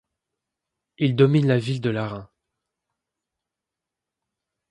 Il domine la ville de Laruns.